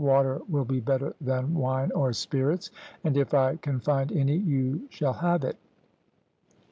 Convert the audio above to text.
Water will be better than wine or spirits, and if I can find any you shall have it.'